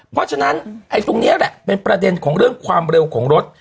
เพราะฉะนั้นไอ้ตรงนี้แหละเป็นประเด็นของเรื่องความเร็วของรถ